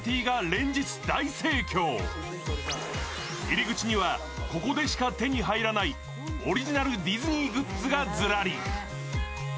入り口にはここでしか手に入らないオリジナルディズニーグッズがずらり。